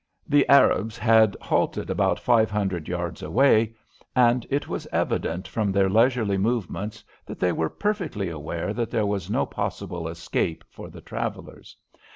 The Arabs had halted about five hundred yards away, and it was evident from their leisurely movements that they were perfectly aware that there was no possible escape for the travellers.